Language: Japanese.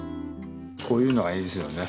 こういうのがいいですよね